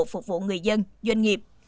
phục vụ người dân doanh nghiệp